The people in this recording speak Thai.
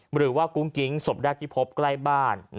หรือว่ากุ้งกิ๊งศพแรกที่พบใกล้บ้าน